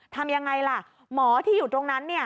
ทำยังไงล่ะหมอที่อยู่ตรงนั้น